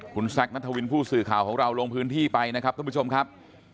คุณแซคนัทวินผู้สื่อข่าวของเราลงพื้นที่ไปนะครับทุกผู้ชมครับ